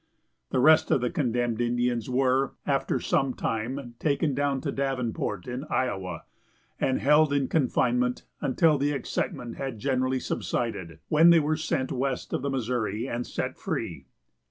The rest of the condemned Indians were, after some time, taken down to Davenport in Iowa, and held in confinement until the excitement had generally subsided, when they were sent west of the Missouri and set free.